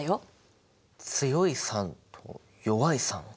強い酸と弱い酸？